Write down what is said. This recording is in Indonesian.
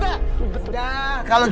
kalau gitu kita bisa berhenti